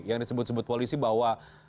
yang disebut sebut polisi bahwa